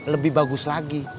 lebih bagus lagi